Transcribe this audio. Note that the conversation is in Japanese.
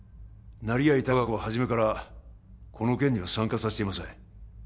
成合隆子は初めからこの件には参加させていません